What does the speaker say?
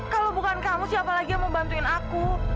kalau bukan kamu siapa lagi yang mau bantuin aku